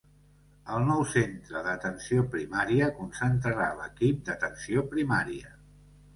El nou centre d'atenció primària concentrarà l'Equip d'Atenció Primària.